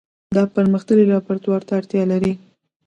دا پرمختللي لابراتوار ته اړتیا لري.